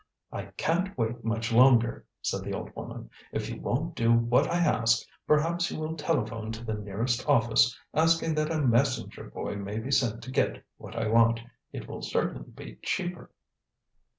"I can't wait much longer," said the old woman; "if you won't do what I ask, perhaps you will telephone to the nearest office, asking that a messenger boy may be sent to get what I want. It will certainly be cheaper."